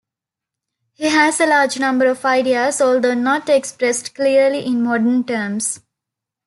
He has a large number of ideas, although not expressed clearly in modern terms.